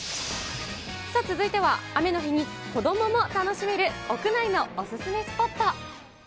さあ、続いては雨の日に子どもも楽しめる屋内のお勧めスポット。